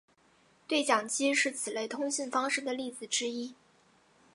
对讲机是此类通信方式的例子之一。